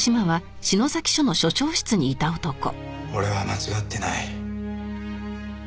俺は間違ってない。